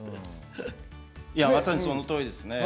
まさにその通りですね。